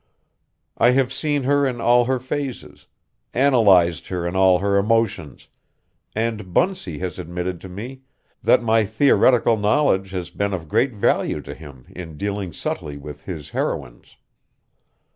I have seen her in all her phases, analyzed her in all her emotions, and Bunsey has admitted to me that my theoretical knowledge has been of great value to him in dealing subtly with his heroines.